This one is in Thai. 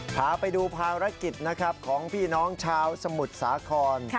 พาไปดูภารกิจนะครับของพี่น้องชาวสมุทรสาคร